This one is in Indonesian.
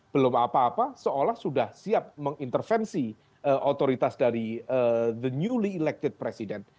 belum apa apa seolah sudah siap mengintervensi otoritas dari the newly elected presiden